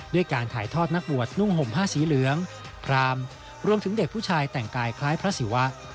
ด้วยการถ่ายทอดนักบวชนุ่งห่มผ้าสีเหลืองพรามรวมถึงเด็กผู้ชายแต่งกายคล้ายพระศิวะ